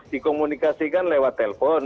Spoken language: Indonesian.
dikomunikasikan lewat telepon